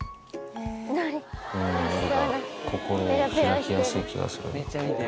のりが心を開きやすい気がする。